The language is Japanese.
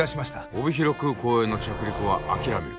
帯広空港への着陸は諦める。